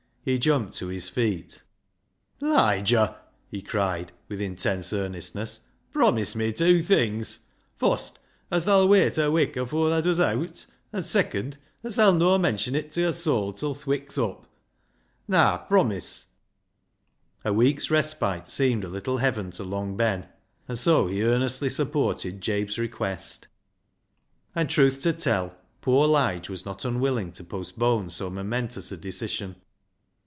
He jumped to his feet —" Liger," he cried, with intense earnestness, " promise me tew things. Fost, as tha'll wait a wik afoor thaa does owt ; an' second, as tha'll no' mention it to a soul till th' wik's up. Naa, promise." A week's respite seemed a little heaven to Long Ben, and so he earnestly supported Jabe's request; and truth to tell, poor Lige was not unwilling to postpone so momentous a decision.